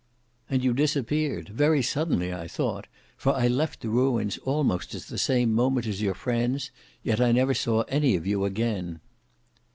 "And you disappeared; very suddenly I thought: for I left the ruins almost at the same moment as your friends, yet I never saw any of you again."